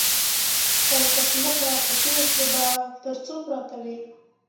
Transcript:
وایه قسمته په تېرو کې به تر څو پراته وي.